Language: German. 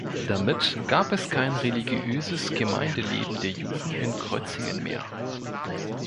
Damit gab es kein religiöses Gemeindeleben der Juden in Grötzingen mehr.